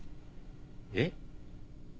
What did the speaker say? えっ？